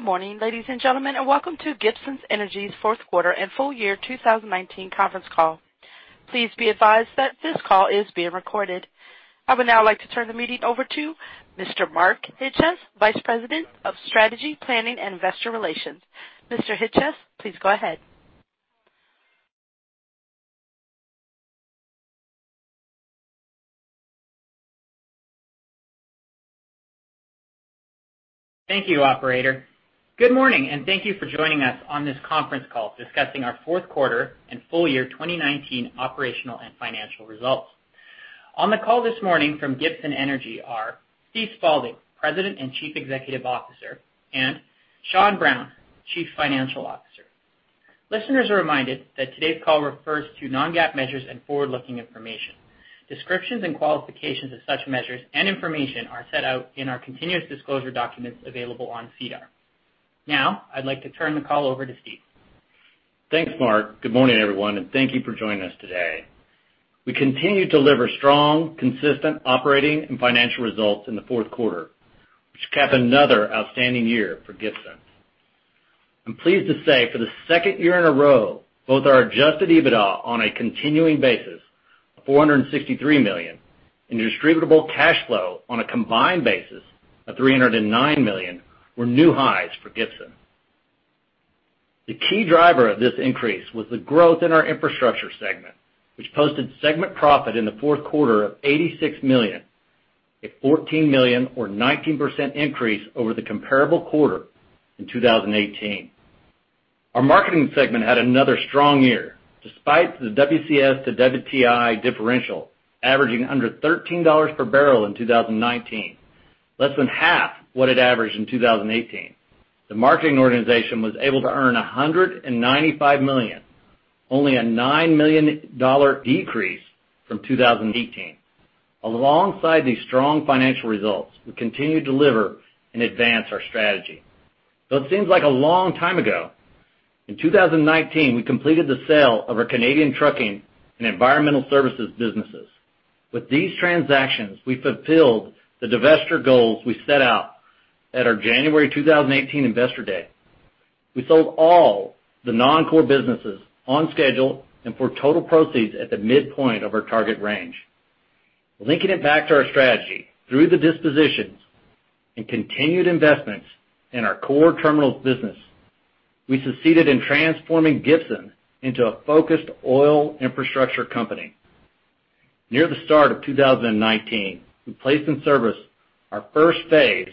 Good morning, ladies and gentlemen, and welcome to Gibson Energy's fourth quarter and full year 2019 conference call. Please be advised that this call is being recorded. I would now like to turn the meeting over to Mr. Mark Chyc-Cies, Vice President of Strategy, Planning, and Investor Relations. Mr. Chyc-Cies, please go ahead. Thank you, operator. Good morning, and thank you for joining us on this conference call discussing our fourth quarter and full year 2019 operational and financial results. On the call this morning from Gibson Energy are Steve Spaulding, President and Chief Executive Officer, and Sean Brown, Chief Financial Officer. Listeners are reminded that today's call refers to non-GAAP measures and forward-looking information. Descriptions and qualifications of such measures and information are set out in our continuous disclosure documents available on SEDAR. I'd like to turn the call over to Steve. Thanks, Mark. Good morning, everyone, and thank you for joining us today. We continue to deliver strong, consistent operating and financial results in the fourth quarter, which cap another outstanding year for Gibson. I'm pleased to say, for the second year in a row, both our adjusted EBITDA on a continuing basis of 463 million and distributable cash flow on a combined basis of 309 million were new highs for Gibson. The key driver of this increase was the growth in our infrastructure segment, which posted segment profit in the fourth quarter of 86 million, a 14 million or 19% increase over the comparable quarter in 2018. Our marketing segment had another strong year, despite the WCS to WTI differential averaging under 13 dollars per barrel in 2019, less than half what it averaged in 2018. The marketing organization was able to earn 195 million, only a 9 million dollar decrease from 2018. Alongside these strong financial results, we continue to deliver and advance our strategy. Though it seems like a long time ago, in 2019, we completed the sale of our Canadian trucking and environmental services businesses. With these transactions, we fulfilled the divested goals we set out at our January 2018 Investor Day. We sold all the non-core businesses on schedule and for total proceeds at the midpoint of our target range. Linking it back to our strategy, through the dispositions and continued investments in our core terminals business, we succeeded in transforming Gibson into a focused oil infrastructure company. Near the start of 2019, we placed in service our first phase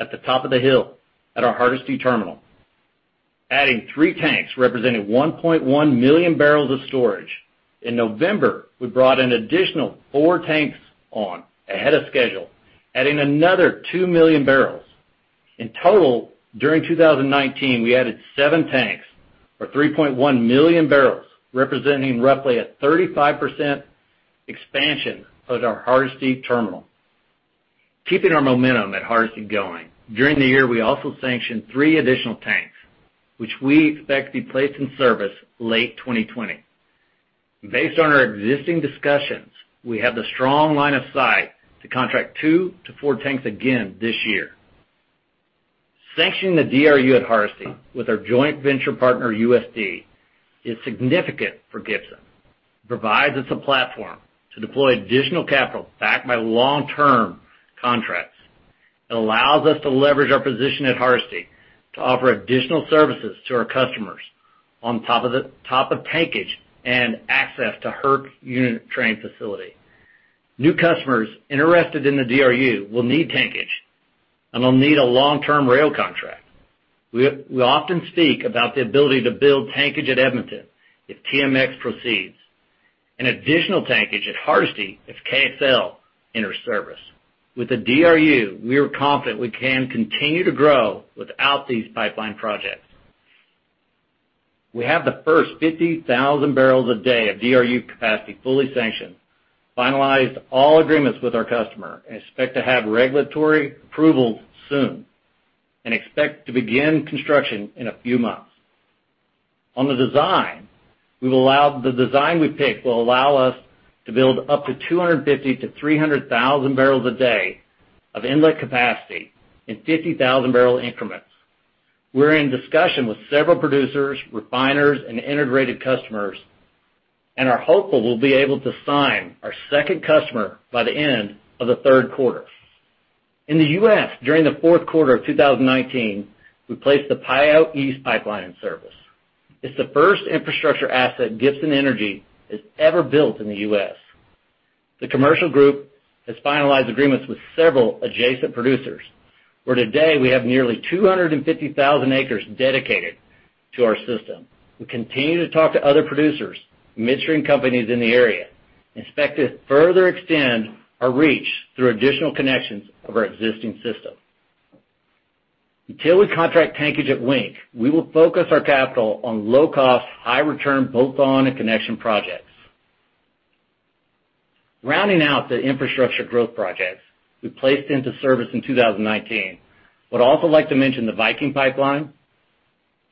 at the top of the hill at our Hardisty terminal, adding three tanks representing 1.1 million barrels of storage. In November, we brought an additional four tanks on ahead of schedule, adding another two million barrels. In total, during 2019, we added seven tanks or 3.1 million barrels, representing roughly a 35% expansion of our Hardisty terminal. Keeping our momentum at Hardisty going, during the year, we also sanctioned three additional tanks, which we expect to be placed in service late 2020. Based on our existing discussions, we have the strong line of sight to contract two to four tanks again this year. Sanctioning the DRU at Hardisty with our joint venture partner, USD, is significant for Gibson. It provides us a platform to deploy additional capital backed by long-term contracts. It allows us to leverage our position at Hardisty to offer additional services to our customers on top of tankage and access to HARP unit train facility. New customers interested in the DRU will need tankage and will need a long-term rail contract. We often speak about the ability to build tankage at Edmonton if TMX proceeds, and additional tankage at Hardisty if KXL enters service. With the DRU, we are confident we can continue to grow without these pipeline projects. We have the first 50,000 barrels a day of DRU capacity fully sanctioned, finalized all agreements with our customer, and expect to have regulatory approval soon, and expect to begin construction in a few months. On the design we've picked will allow us to build up to 250,000 to 300,000 barrels a day of inlet capacity in 50,000-barrel increments. We're in discussion with several producers, refiners, and integrated customers and are hopeful we'll be able to sign our second customer by the end of the third quarter. In the U.S., during the fourth quarter of 2019, we placed the Pyote East Pipeline in service. It's the first infrastructure asset Gibson Energy has ever built in the U.S. The commercial group has finalized agreements with several adjacent producers, where today we have nearly 250,000 acres dedicated to our system. We continue to talk to other producers and midstream companies in the area and expect to further extend our reach through additional connections of our existing system. Until we contract tankage at Wink, we will focus our capital on low-cost, high-return bolt-on and connection projects. Rounding out the infrastructure growth projects we placed into service in 2019, would also like to mention the Viking Pipeline.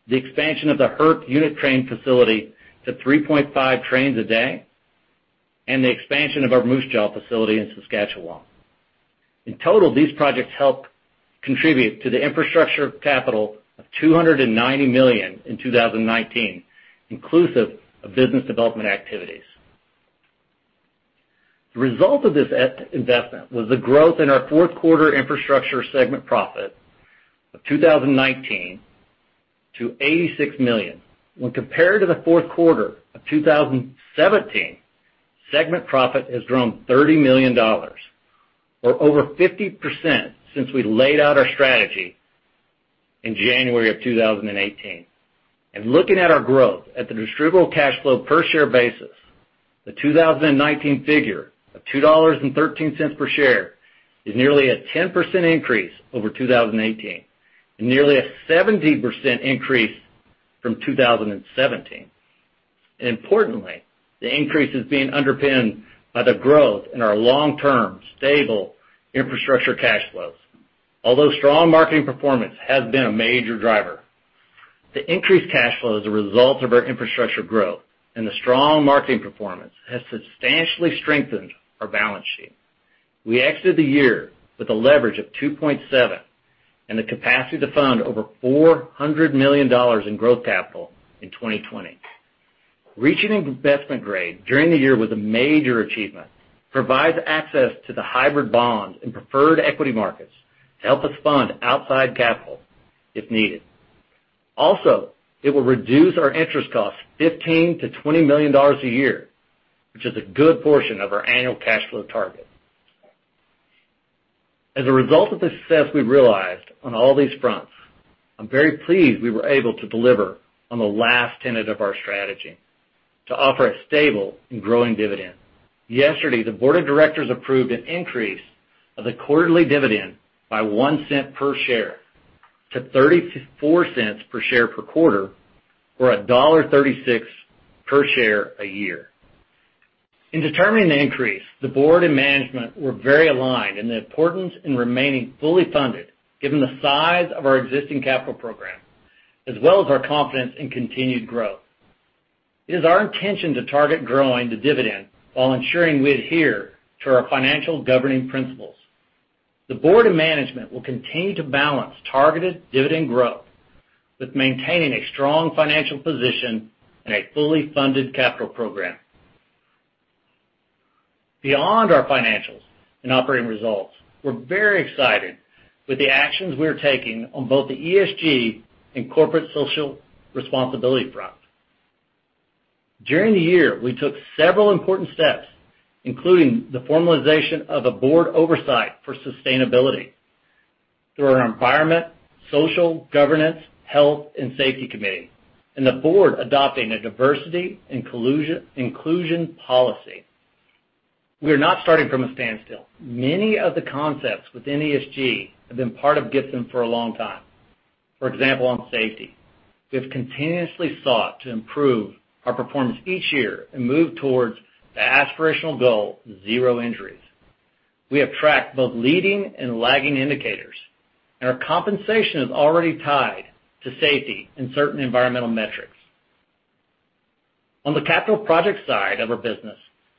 The expansion of the Hardisty unit train facility to 3.5 trains a day, and the expansion of our Moose Jaw facility in Saskatchewan. In total, these projects help contribute to the infrastructure capital of 290 million in 2019, inclusive of business development activities. The result of this investment was the growth in our fourth quarter infrastructure segment profit of 2019 to 86 million. When compared to the fourth quarter of 2017, segment profit has grown 30 million dollars or over 50% since we laid out our strategy in January of 2018. Looking at our growth at the distributable cash flow per share basis, the 2019 figure of 2.13 dollars per share is nearly a 10% increase over 2018 and nearly a 17% increase from 2017. Importantly, the increase is being underpinned by the growth in our long-term stable infrastructure cash flows. Although strong marketing performance has been a major driver, the increased cash flow as a result of our infrastructure growth and the strong marketing performance has substantially strengthened our balance sheet. We exited the year with a leverage of 2.7x and the capacity to fund over 400 million dollars in growth capital in 2020. Reaching investment grade during the year was a major achievement, provides access to the hybrid bonds in preferred equity markets to help us fund outside capital if needed. It will reduce our interest costs 15 million-20 million dollars a year, which is a good portion of our annual cash flow target. As a result of the success we realized on all these fronts, I'm very pleased we were able to deliver on the last tenet of our strategy to offer a stable and growing dividend. Yesterday, the board of directors approved an increase of the quarterly dividend by 0.01 per share to 0.34 per share per quarter or dollar 1.36 per share a year. In determining the increase, the board and management were very aligned in the importance in remaining fully funded, given the size of our existing capital program, as well as our confidence in continued growth. It is our intention to target growing the dividend while ensuring we adhere to our financial governing principles. The board and management will continue to balance targeted dividend growth with maintaining a strong financial position and a fully funded capital program. Beyond our financials and operating results, we're very excited with the actions we are taking on both the ESG and corporate social responsibility front. During the year, we took several important steps, including the formalization of a board oversight for sustainability through our environment, social, governance, health, and safety committee, and the board adopting a diversity inclusion policy. We are not starting from a standstill. Many of the concepts within ESG have been part of Gibson for a long time. For example on safety, we have continuously sought to improve our performance each year and move towards the aspirational goal of zero injuries. We have tracked both leading and lagging indicators, and our compensation is already tied to safety and certain environmental metrics. On the capital project side of our business,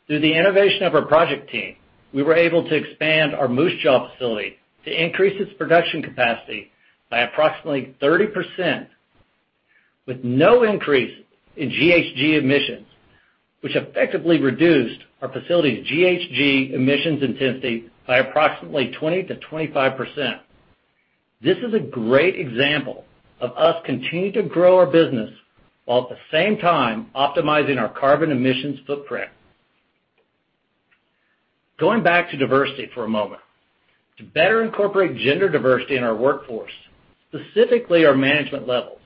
through the innovation of our project team, we were able to expand our Moose Jaw facility to increase its production capacity by approximately 30% with no increase in GHG emissions, which effectively reduced our facility's GHG emissions intensity by approximately 20%-25%. This is a great example of us continuing to grow our business while at the same time optimizing our carbon emissions footprint. Going back to diversity for a moment. To better incorporate gender diversity in our workforce, specifically our management levels,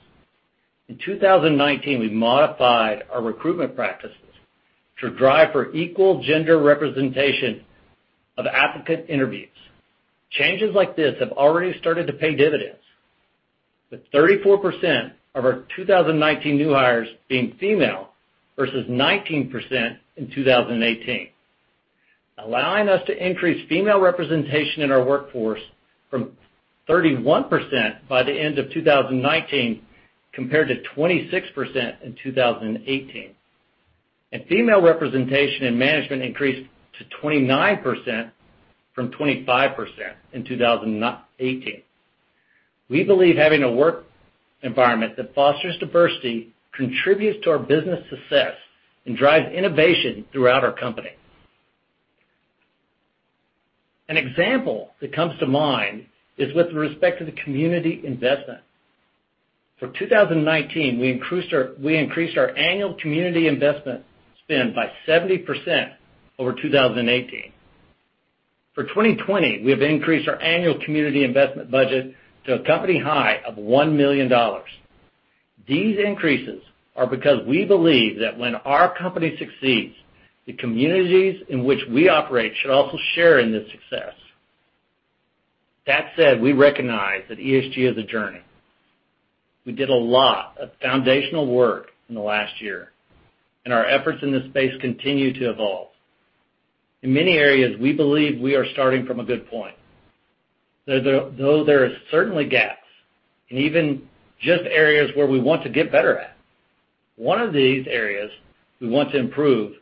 in 2019, we modified our recruitment practices to drive for equal gender representation of applicant interviews. Changes like this have already started to pay dividends, with 34% of our 2019 new hires being female versus 19% in 2018, allowing us to increase female representation in our workforce from 31% by the end of 2019, compared to 26% in 2018. Female representation in management increased to 29% from 25% in 2018. We believe having a work environment that fosters diversity contributes to our business success and drives innovation throughout our company. An example that comes to mind is with respect to the community investment. For 2019, we increased our annual community investment spend by 70% over 2018. For 2020, we have increased our annual community investment budget to a company high of 1 million dollars. These increases are because we believe that when our company succeeds, the communities in which we operate should also share in this success. That said, we recognize that ESG is a journey. We did a lot of foundational work in the last year, and our efforts in this space continue to evolve. In many areas, we believe we are starting from a good point. There are certainly gaps and even just areas where we want to get better at. One of these areas we want to improve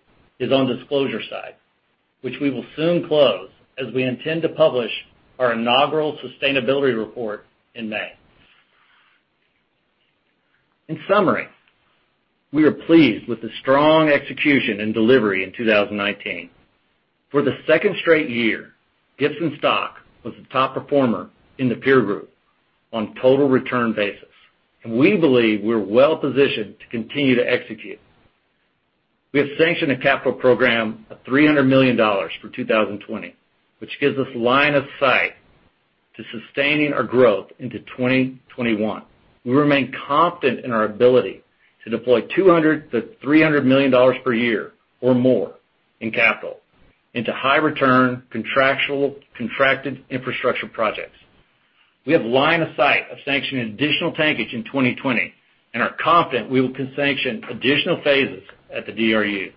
is on disclosure side, which we will soon close as we intend to publish our inaugural sustainability report in May. In summary, we are pleased with the strong execution and delivery in 2019. For the second straight year, Gibson stock was the top performer in the peer group on total return basis. We believe we're well-positioned to continue to execute. We have sanctioned a capital program of 300 million dollars for 2020, which gives us line of sight to sustaining our growth into 2021. We remain confident in our ability to deploy 200 million-300 million dollars per year or more in capital into high return, contractual contracted infrastructure projects. We have line of sight of sanctioning additional tankage in 2020 and are confident we can sanction additional phases at the DRU.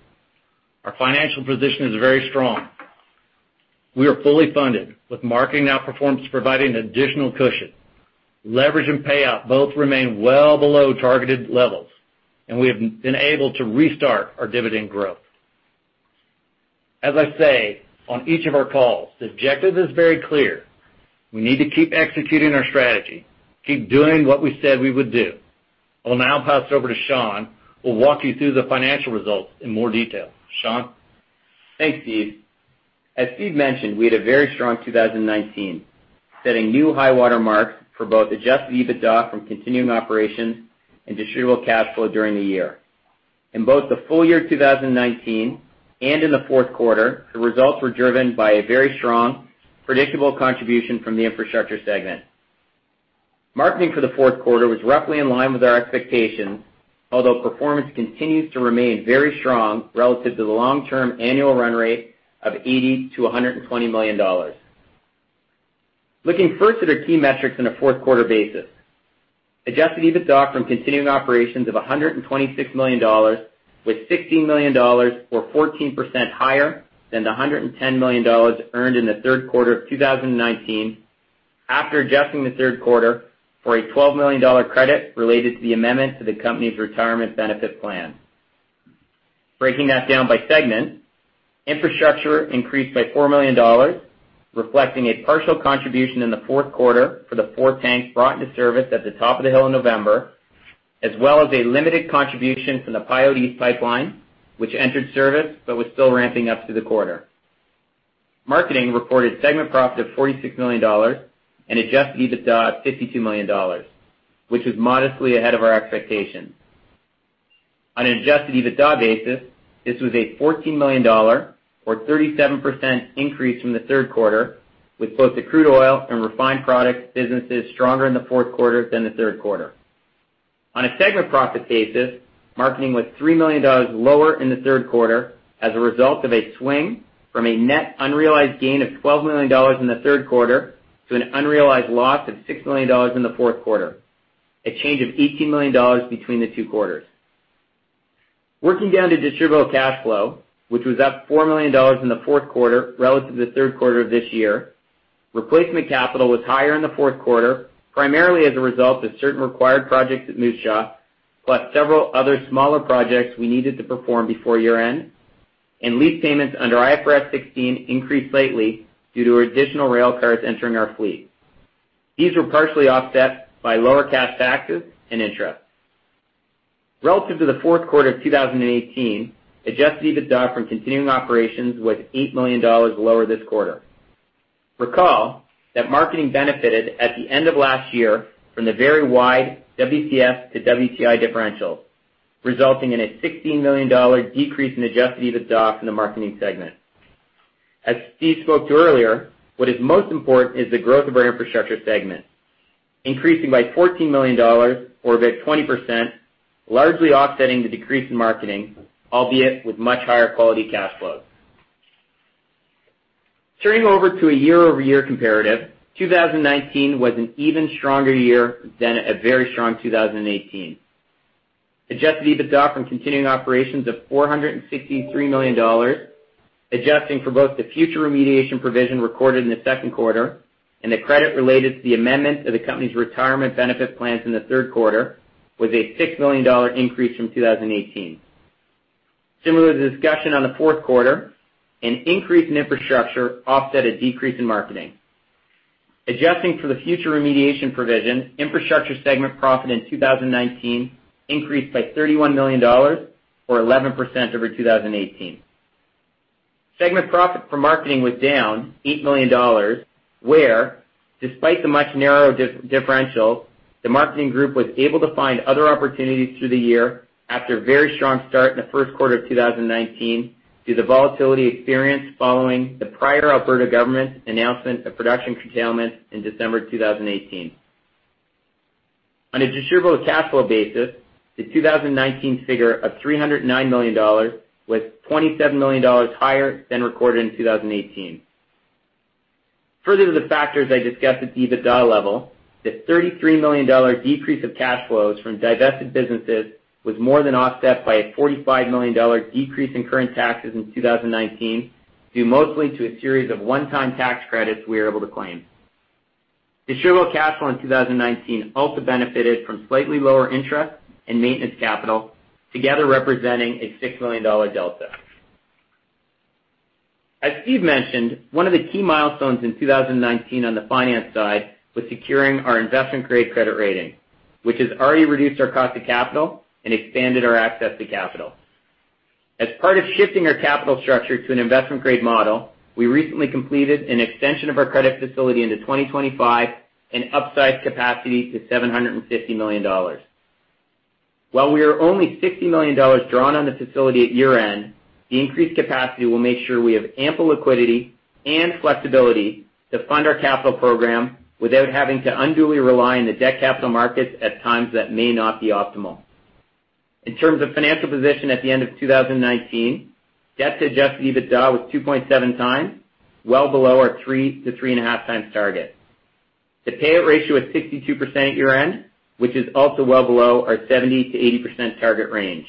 Our financial position is very strong. We are fully funded with marketing outperformance providing additional cushion. Leverage and payout both remain well below targeted levels, and we have been able to restart our dividend growth. As I say on each of our calls, the objective is very clear. We need to keep executing our strategy, keep doing what we said we would do. I will now pass it over to Sean, who will walk you through the financial results in more detail. Sean? Thanks, Steve. As Steve mentioned, we had a very strong 2019, setting new high water marks for both adjusted EBITDA from continuing operations and distributable cash flow during the year. In both the full year 2019 and in the fourth quarter, the results were driven by a very strong, predictable contribution from the infrastructure segment. Marketing for the fourth quarter was roughly in line with our expectations, although performance continues to remain very strong relative to the long-term annual run rate of 80 million-120 million dollars. Looking first at our key metrics on a fourth-quarter basis. Adjusted EBITDA from continuing operations of 126 million dollars, with 16 million dollars or 14% higher than the 110 million dollars earned in the third quarter of 2019 after adjusting the third quarter for a 12 million dollar credit related to the amendment to the company's retirement benefit plan. Breaking that down by segment, infrastructure increased by 4 million dollars, reflecting a partial contribution in the fourth quarter for the four tanks brought into service at the Top of the Hill in November, as well as a limited contribution from the Pyote East Pipeline, which entered service but was still ramping up through the quarter. Marketing reported segment profit of 46 million dollars and adjusted EBITDA of 52 million dollars, which was modestly ahead of our expectations. On an adjusted EBITDA basis, this was a 14 million dollar or 37% increase from the third quarter, with both the crude oil and refined products businesses stronger in the fourth quarter than the third quarter. On a segment profit basis, marketing was 3 million dollars lower in the third quarter as a result of a swing from a net unrealized gain of 12 million dollars in the third quarter to an unrealized loss of 6 million dollars in the fourth quarter, a change of 18 million dollars between the two quarters. Working down to distributable cash flow, which was up 4 million dollars in the fourth quarter relative to the third quarter of this year. Replacement capital was higher in the fourth quarter, primarily as a result of certain required projects at Moose Jaw, plus several other smaller projects we needed to perform before year-end. Lease payments under IFRS 16 increased slightly due to additional rail cars entering our fleet. These were partially offset by lower cash taxes and interest. Relative to the fourth quarter of 2018, adjusted EBITDA from continuing operations was 8 million dollars lower this quarter. Recall that marketing benefited at the end of last year from the very wide WCS to WTI differential, resulting in a 16 million dollar decrease in adjusted EBITDA from the marketing segment. As Steve spoke to earlier, what is most important is the growth of our infrastructure segment, increasing by 14 million dollars or a bit 20%, largely offsetting the decrease in marketing, albeit with much higher quality cash flows. Turning over to a year-over-year comparative, 2019 was an even stronger year than a very strong 2018. Adjusted EBITDA from continuing operations of 463 million dollars, adjusting for both the future remediation provision recorded in the second quarter and the credit related to the amendment of the company's retirement benefit plans in the third quarter, was a 6 million dollar increase from 2018. Similar to the discussion on the fourth quarter, an increase in infrastructure offset a decrease in marketing. Adjusting for the future remediation provision, infrastructure segment profit in 2019 increased by 31 million dollars or 11% over 2018. Segment profit for marketing was down 8 million dollars, where despite the much narrower differential, the marketing group was able to find other opportunities through the year after a very strong start in the first quarter of 2019 due to the volatility experienced following the prior Alberta government's announcement of production curtailment in December 2018. On a distributable cash flow basis, the 2019 figure of 309 million dollars was 27 million dollars higher than recorded in 2018. Further to the factors I discussed at the EBITDA level, the 33 million dollar decrease of cash flows from divested businesses was more than offset by a 45 million dollar decrease in current taxes in 2019, due mostly to a series of one-time tax credits we were able to claim. Distributable cash flow in 2019 also benefited from slightly lower interest and maintenance capital, together representing a 6 million dollar delta. As Steve Spaulding mentioned, one of the key milestones in 2019 on the finance side was securing our investment-grade credit rating, which has already reduced our cost of capital and expanded our access to capital. As part of shifting our capital structure to an investment-grade model, we recently completed an extension of our credit facility into 2025 and upsized capacity to 750 million dollars. While we are only 60 million dollars drawn on the facility at year-end, the increased capacity will make sure we have ample liquidity and flexibility to fund our capital program without having to unduly rely on the debt capital markets at times that may not be optimal. In terms of financial position at the end of 2019, debt to adjusted EBITDA was 2.7x, well below our 3x to 3.5x target. The payout ratio is 62% at year-end, which is also well below our 70%-80% target range.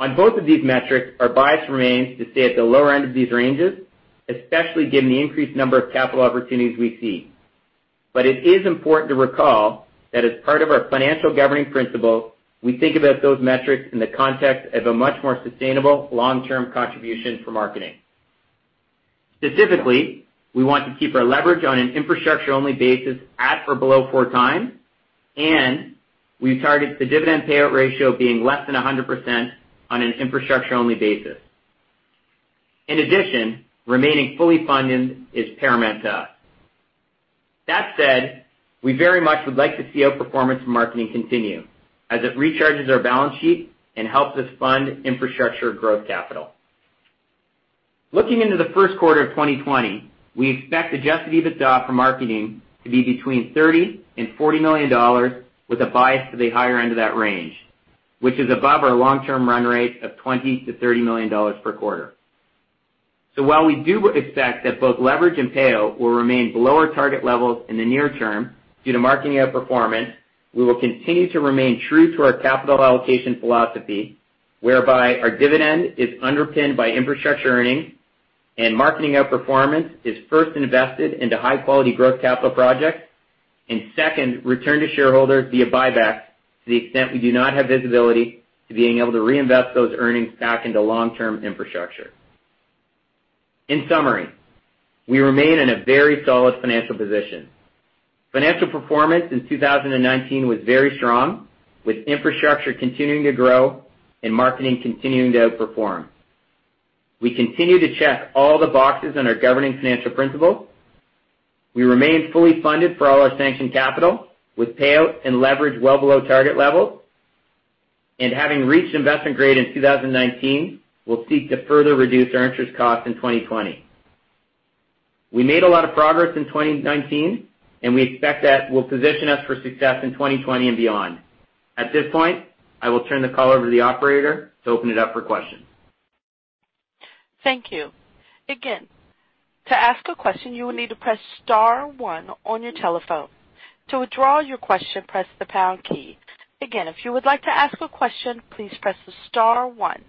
On both of these metrics, our bias remains to stay at the lower end of these ranges, especially given the increased number of capital opportunities we see. It is important to recall that as part of our financial governing principle, we think about those metrics in the context of a much more sustainable long-term contribution for marketing. Specifically, we want to keep our leverage on an infrastructure-only basis at or below four times, and we target the dividend payout ratio being less than 100% on an infrastructure-only basis. In addition, remaining fully funded is paramount to us. That said, we very much would like to see outperformance in marketing continue, as it recharges our balance sheet and helps us fund infrastructure growth capital. Looking into the first quarter of 2020, we expect adjusted EBITDA for marketing to be between 30 million and 40 million dollars, with a bias to the higher end of that range, which is above our long-term run rate of 20 million to 30 million dollars per quarter. While we do expect that both leverage and payout will remain below our target levels in the near term due to marketing outperformance, we will continue to remain true to our capital allocation philosophy, whereby our dividend is underpinned by infrastructure earnings and marketing outperformance is first invested into high-quality growth capital projects, and second, returned to shareholders via buybacks, to the extent we do not have visibility to being able to reinvest those earnings back into long-term infrastructure. In summary, we remain in a very solid financial position. Financial performance in 2019 was very strong, with infrastructure continuing to grow and marketing continuing to outperform. We continue to check all the boxes on our governing financial principles. We remain fully funded for all our sanctioned capital, with payout and leverage well below target levels. Having reached investment grade in 2019, we'll seek to further reduce our interest cost in 2020. We made a lot of progress in 2019, and we expect that will position us for success in 2020 and beyond. At this point, I will turn the call over to the operator to open it up for questions. Thank you. Again, to ask a question, you will need to press star one on your telephone. To withdraw your question, press the pound key. Again, if you would like to ask a question, please press star one.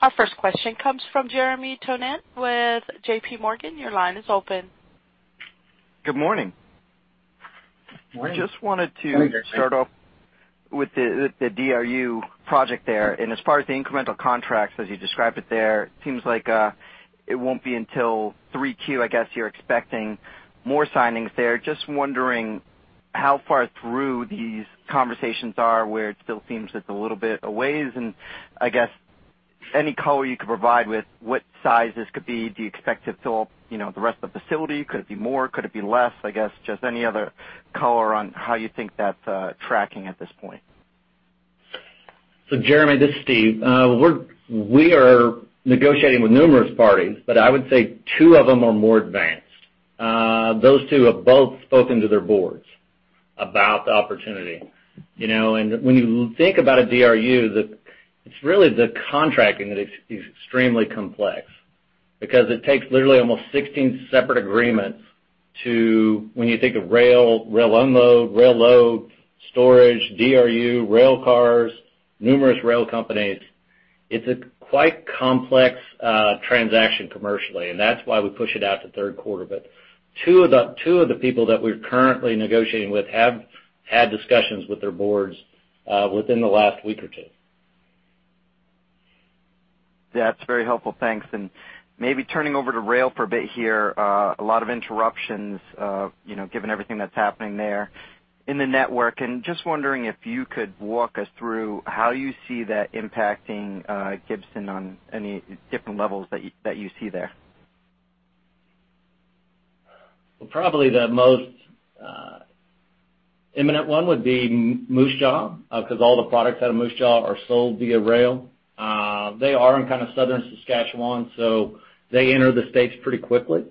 Our first question comes from Jeremy Tonet with JPMorgan. Your line is open. Good morning. Morning. I just wanted to start off with the DRU project there. As far as the incremental contracts, as you described it there, it seems like it won't be until 3Q, I guess, you're expecting more signings there. Just wondering how far through these conversations are, where it still seems it's a little bit a ways. I guess any color you could provide with what size this could be. Do you expect to fill the rest of the facility? Could it be more? Could it be less? I guess, just any other color on how you think that's tracking at this point. Jeremy, this is Steve. We are negotiating with numerous parties, but I would say two of them are more advanced. Those two have both spoken to their boards about the opportunity. When you think about a DRU, it's really the contracting that is extremely complex because it takes literally almost 16 separate agreements to when you think of rail unload, rail load, storage, DRU, rail cars, numerous rail companies. It's a quite complex transaction commercially, and that's why we push it out to the third quarter. Two of the people that we're currently negotiating with have had discussions with their boards within the last week or two. That's very helpful, thanks. Maybe turning over to rail for a bit here. A lot of interruptions, given everything that's happening there in the network, and just wondering if you could walk us through how you see that impacting Gibson on any different levels that you see there. Probably the most imminent one would be Moose Jaw, because all the products out of Moose Jaw are sold via rail. They are in kind of southern Saskatchewan, so they enter the States pretty quickly.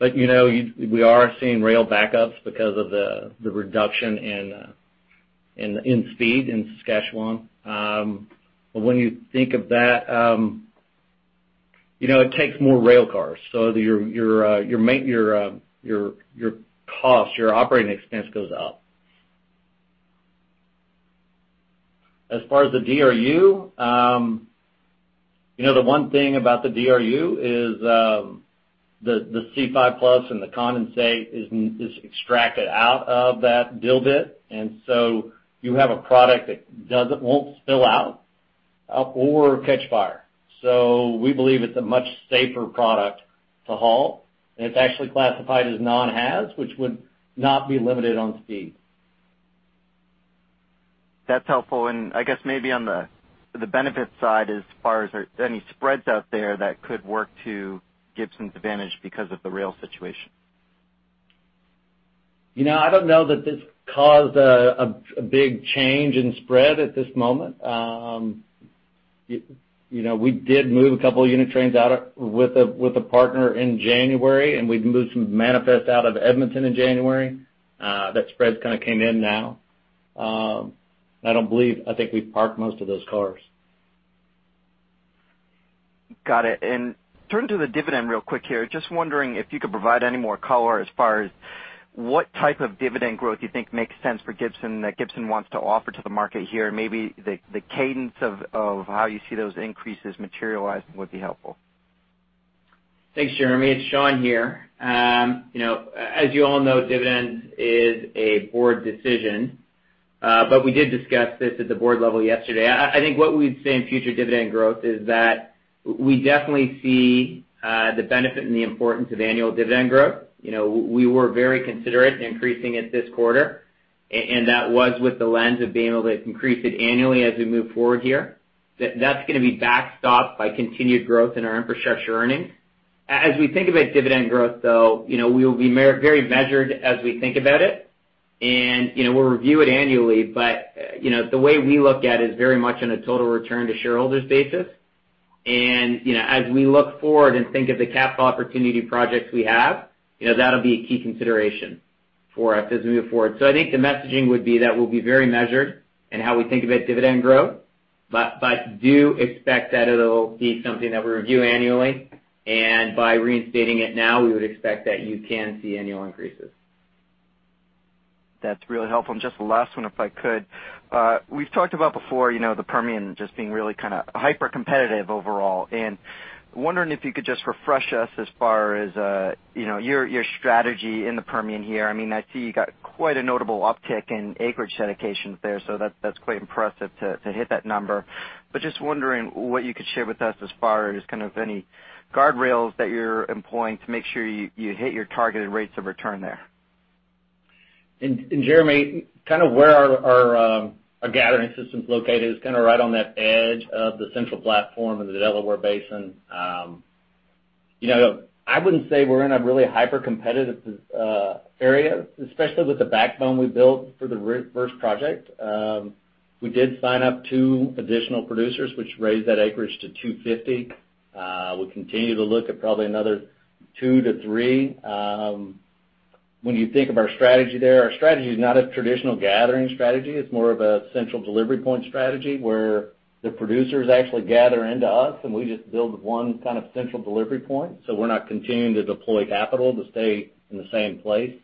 We are seeing rail backups because of the reduction in In speed in Saskatchewan. When you think of that, it takes more rail cars. Your cost, your operating expense goes up. As far as the DRU, the one thing about the DRU is the C5+ and the condensate is extracted out of that drill bit, you have a product that won't spill out or catch fire. We believe it's a much safer product to haul, and it's actually classified as non-haz, which would not be limited on speed. That's helpful. I guess maybe on the benefit side, as far as are any spreads out there that could work to Gibson's advantage because of the rail situation? I don't know that this caused a big change in spread at this moment. We did move a couple unit trains out with a partner in January, and we'd moved some manifest out of Edmonton in January. That spread's kind of came in now. I think we've parked most of those cars. Got it. Turning to the dividend real quick here, just wondering if you could provide any more color as far as what type of dividend growth you think makes sense for Gibson that Gibson wants to offer to the market here. Maybe the cadence of how you see those increases materialize would be helpful. Thanks, Jeremy, it's Sean here. As you all know, dividends is a board decision, but we did discuss this at the board level yesterday. I think what we'd say in future dividend growth is that we definitely see the benefit and the importance of annual dividend growth. We were very considerate increasing it this quarter, and that was with the lens of being able to increase it annually as we move forward here. That's going to be backstopped by continued growth in our infrastructure earnings. As we think about dividend growth though, we will be very measured as we think about it. We'll review it annually, but the way we look at it is very much on a total return to shareholders basis. As we look forward and think of the capital opportunity projects we have, that'll be a key consideration for us as we move forward. I think the messaging would be that we'll be very measured in how we think about dividend growth. Do expect that it'll be something that we review annually, and by reinstating it now, we would expect that you can see annual increases. That's really helpful. Just the last one, if I could. We've talked about before the Permian just being really kind of hypercompetitive overall, and wondering if you could just refresh us as far as your strategy in the Permian here. I see you got quite a notable uptick in acreage dedications there, so that's quite impressive to hit that number. Just wondering what you could share with us as far as kind of any guardrails that you're employing to make sure you hit your targeted rates of return there. Jeremy, kind of where our gathering system's located is kind of right on that edge of the central platform of the Delaware Basin. I wouldn't say we're in a really hypercompetitive area, especially with the backbone we built for the Reverse project. We did sign up two additional producers, which raised that acreage to 250. We continue to look at probably another 2-3. When you think of our strategy there, our strategy is not a traditional gathering strategy. It's more of a central delivery point strategy, where the producers actually gather into us, and we just build 1 kind of central delivery point. We're not continuing to deploy capital to stay in the same place.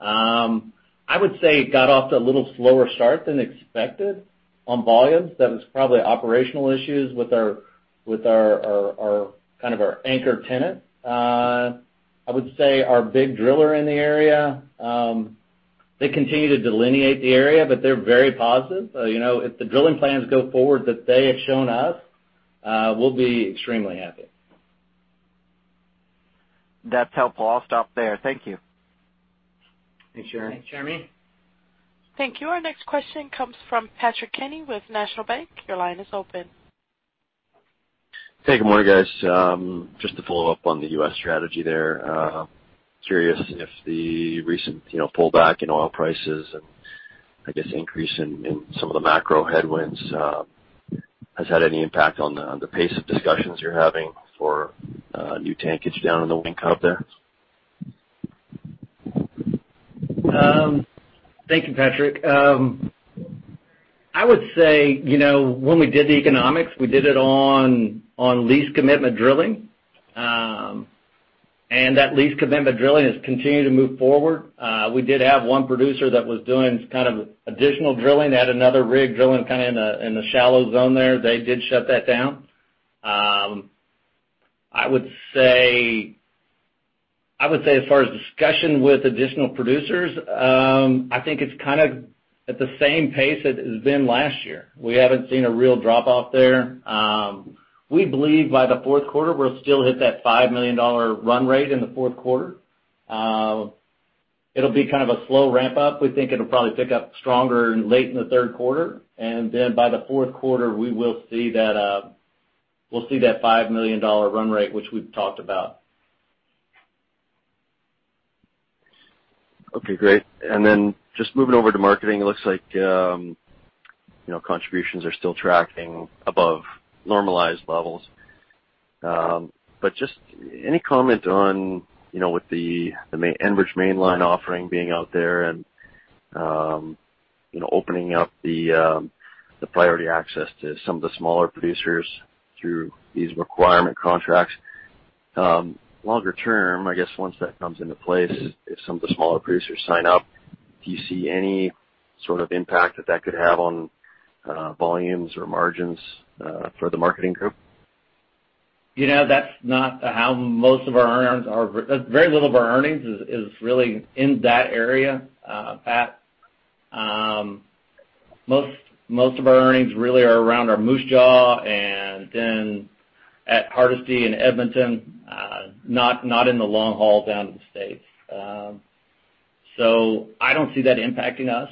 I would say it got off to a little slower start than expected on volumes. That was probably operational issues with kind of our anchor tenant. I would say our big driller in the area, they continue to delineate the area, but they're very positive. If the drilling plans go forward that they have shown us, we'll be extremely happy. That's helpful. I'll stop there, thank you. Thanks, Jeremy. Thanks, Jeremy. Thank you. Our next question comes from Patrick Kenny with National Bank. Your line is open. Hey, good morning, guys. Just to follow up on the U.S. strategy there. Curious if the recent pullback in oil prices and I guess increase in some of the macro headwinds has had any impact on the pace of discussions you're having for new tankage down in the Wink hub there? Thank you, Patrick. I would say, when we did the economics, we did it on lease commitment drilling. That lease commitment drilling has continued to move forward. We did have one producer that was doing kind of additional drilling, they had another rig drilling kind of in the shallow zone there. They did shut that down. I would say as far as discussion with additional producers, I think it's kind of at the same pace it has been last year. We haven't seen a real drop off there. We believe by the fourth quarter, we'll still hit that 5 million dollar run rate in the fourth quarter. It'll be kind of a slow ramp up. We think it'll probably pick up stronger late in the third quarter, and then by the fourth quarter, we'll see that 5 million dollar run rate, which we've talked about. Okay, great. Just moving over to marketing, it looks like contributions are still tracking above normalized levels. Just any comment on with the Enbridge mainline offering being out there and opening up the priority access to some of the smaller producers through these requirement contracts, longer term, I guess once that comes into place, if some of the smaller producers sign up, do you see any sort of impact that that could have on volumes or margins for the marketing group? That's not how most of our earnings are. Very little of our earnings is really in that area, Pat. Most of our earnings really are around our Moose Jaw and then at Hardisty and Edmonton, not in the long haul down to the States. I don't see that impacting us.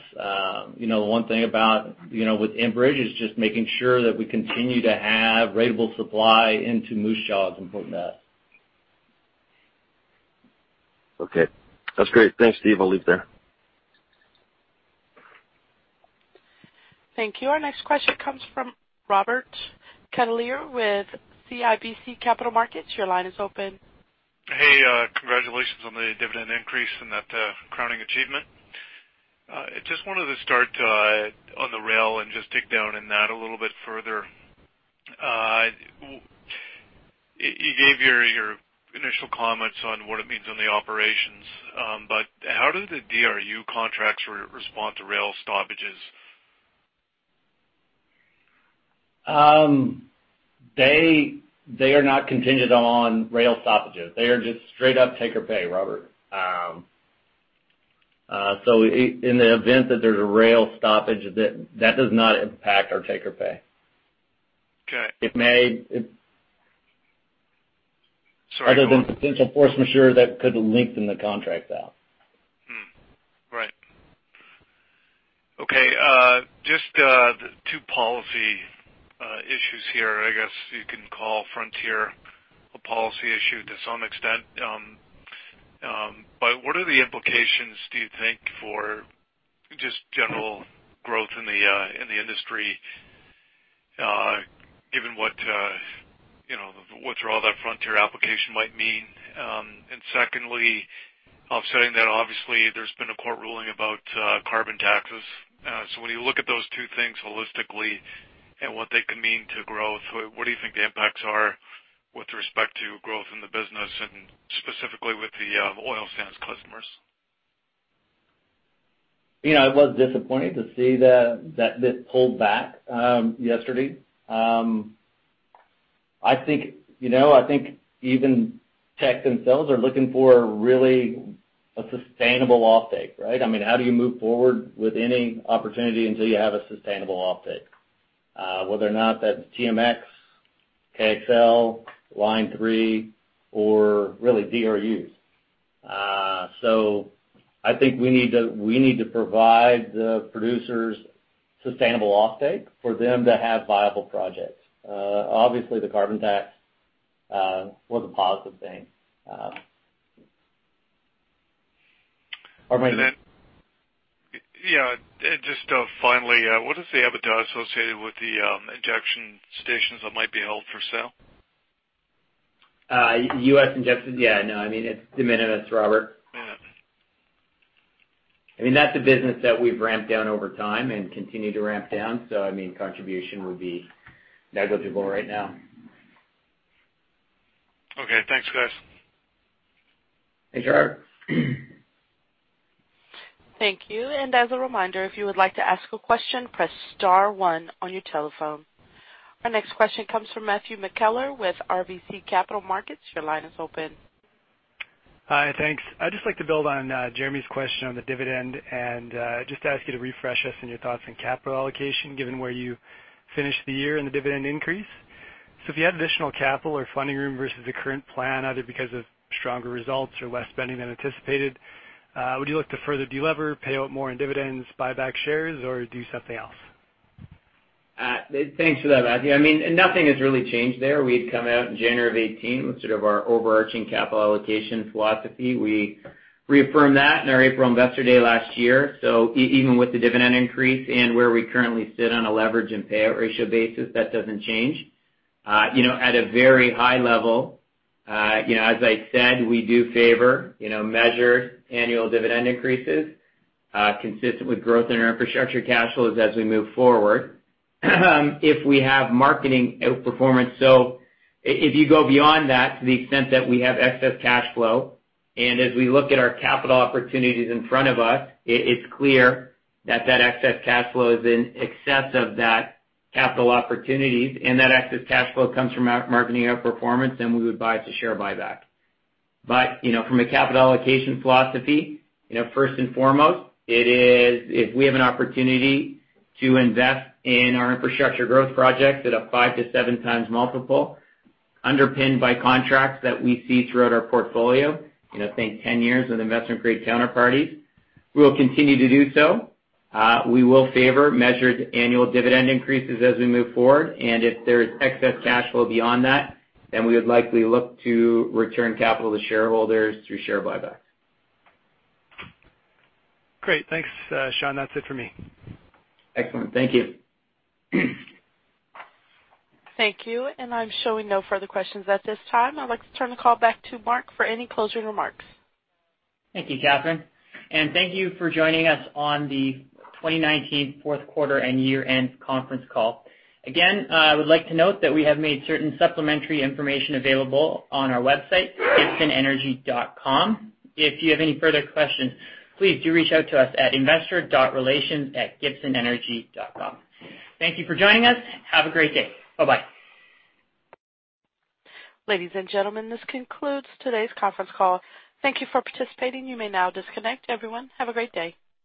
One thing about with Enbridge is just making sure that we continue to have ratable supply into Moose Jaw is important to us. Okay, that's great. Thanks, Steve. I'll leave it there. Thank you. Our next question comes from Robert Catellier with CIBC Capital Markets. Your line is open. Hey, congratulations on the dividend increase and that crowning achievement. I just wanted to start on the rail and just dig down in that a little bit further. You gave your initial comments on what it means on the operations, but how do the DRU contracts respond to rail stoppages. They are not contingent on rail stoppages. They are just straight up take or pay, Robert. In the event that there's a rail stoppage, that does not impact our take or pay. Okay. It may. Other than potential force majeure that could lengthen the contract out. Right. Okay. Just two policy issues here. I guess you can call Frontier a policy issue to some extent. What are the implications, do you think, for just general growth in the industry, given what withdrawal that Frontier application might mean? Secondly, offsetting that, obviously, there's been a court ruling about carbon taxes. When you look at those two things holistically and what they could mean to growth, what do you think the impacts are with respect to growth in the business and specifically with the oil sands customers? I was disappointed to see that this pulled back yesterday. I think even Teck themselves are looking for really a sustainable offtake, right? I mean, how do you move forward with any opportunity until you have a sustainable offtake? Whether or not that's TMX, KXL, Line 3, or really DRUs. I think we need to provide the producers sustainable offtake for them to have viable projects. Obviously, the carbon tax was a positive thing. Just finally, what is the EBITDA associated with the injection stations that might be held for sale? U.S. injection? Yeah, no, I mean, it's de minimis, Robert. Yeah. I mean, that's a business that we've ramped down over time and continue to ramp down. I mean, contribution would be negligible right now. Okay, thanks, guys. Thanks, Robert. Thank you. As a reminder, if you would like to ask a question, press star one on your telephone. Our next question comes from Matthew McKellar with RBC Capital Markets. Your line is open. Hi. Thanks. I'd just like to build on Jeremy's question on the dividend and just ask you to refresh us on your thoughts on capital allocation, given where you finished the year and the dividend increase. If you had additional capital or funding room versus the current plan, either because of stronger results or less spending than anticipated, would you look to further delever, pay out more in dividends, buy back shares, or do something else? Thanks for that, Matthew. I mean, nothing has really changed there. We had come out in January of 2018 with sort of our overarching capital allocation philosophy. We reaffirmed that in our April Investor Day last year. Even with the dividend increase and where we currently sit on a leverage and payout ratio basis, that doesn't change. At a very high level, as I said, we do favor measured annual dividend increases consistent with growth in our infrastructure cash flows as we move forward if we have marketing outperformance. If you go beyond that to the extent that we have excess cash flow, and as we look at our capital opportunities in front of us, it's clear that that excess cash flow is in excess of that capital opportunities, and that excess cash flow comes from marketing outperformance, then we would buy it to share buyback. From a capital allocation philosophy, first and foremost, it is if we have an opportunity to invest in our infrastructure growth projects at a 5x-7x multiple, underpinned by contracts that we see throughout our portfolio, think 10 years with investment-grade counterparties, we will continue to do so. We will favor measured annual dividend increases as we move forward, and if there is excess cash flow beyond that, then we would likely look to return capital to shareholders through share buybacks. Great. Thanks, Sean. That's it for me. Excellent, thank you. Thank you. I'm showing no further questions at this time. I'd like to turn the call back to Mark for any closing remarks. Thank you, Catherine. Thank you for joining us on the 2019 fourth quarter and year-end conference call. Again, I would like to note that we have made certain supplementary information available on our website, gibsonenergy.com. If you have any further questions, please do reach out to us at investor.relations@gibsonenergy.com. Thank you for joining us. Have a great day. Bye-bye. Ladies and gentlemen, this concludes today's conference call. Thank you for participating, you may now disconnect. Everyone, have a great day.